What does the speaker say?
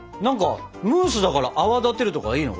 ムースだから泡立てるとかいいの？